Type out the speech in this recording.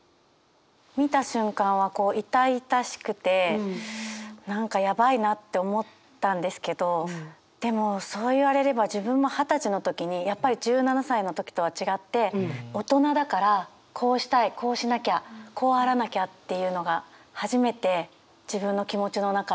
見た瞬間はこう痛々しくて何かやばいなって思ったんですけどでもそう言われれば自分も二十歳の時にやっぱり１７歳の時とは違って「大人だからこうしたいこうしなきゃこうあらなきゃ」っていうのが初めて自分の気持ちの中に生まれて。